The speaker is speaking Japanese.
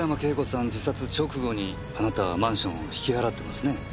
自殺直後にあなたはマンションを引き払ってますね。